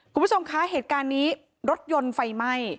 คุณผู้ชมคะเหตุการณ์นี้รถยนต์ไฟไหม้